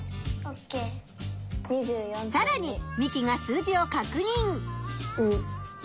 さらにミキが数字を確認。